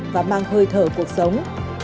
và mang hơi thở cuộc sống